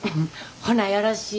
ほなよろしい。